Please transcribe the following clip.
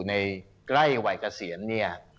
ในไร่วัยเกษียณเนี่ย